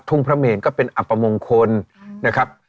พระเมนก็เป็นอัปมงคลนะครับ